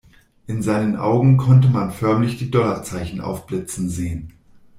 In seinen Augen konnte man förmlich die Dollarzeichen aufblitzen sehen.